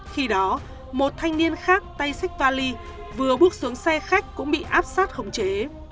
khi đó một thanh niên khác tay xích vali vừa bước xuống xe khách cũng bị áp sát khống chế